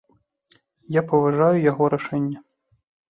Я паважаю яго рашэнне.